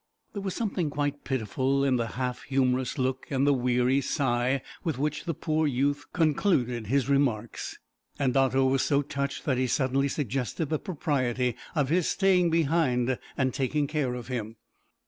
There was something quite pitiful in the half humorous look, and the weary sigh, with which the poor youth concluded his remarks, and Otto was so touched that he suddenly suggested the propriety of his staying behind and taking care of him.